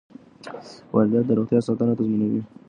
واردات د روغتیا ساتنه تضمینوي.